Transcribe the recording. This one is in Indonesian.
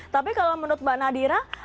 tapi kalau menurut mbak nadira